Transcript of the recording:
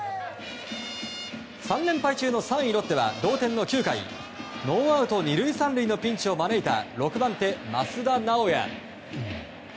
３連敗中の３位、ロッテは同点の９回ノーアウト２塁３塁のピンチを招いた６番手、益田直也。